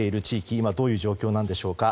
今、どういう状況なのでしょうか。